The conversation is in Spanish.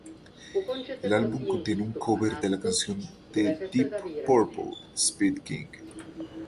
El álbum contiene un cover de la canción de Deep Purple, "Speed King".